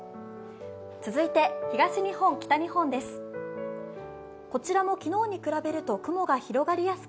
続いて東日本、北日本です。